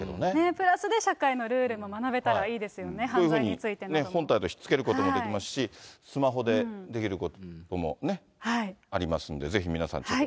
プラスで社会のルールも学べたらいいですよね、犯罪について本体とひっつけることもできますし、スマホでできることもありますんで、ぜひ皆さん、ちょっと。